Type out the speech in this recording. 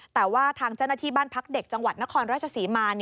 แต่ว่าทางเจ้าหน้าที่บ้านพักเด็กจังหวัดนครราชศรีมา